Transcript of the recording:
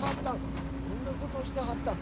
あ、そんなことしてはったん。